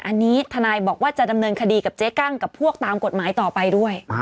อันนี้ทนายบอกว่าจะดำเนินคดีกับเจ๊กั้งกับพวกตามกฎหมายต่อไปด้วย